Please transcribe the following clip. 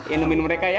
inumin mereka ya